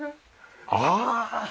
ああ！